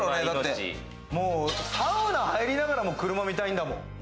サウナ入りながらも、車見たいんだもん。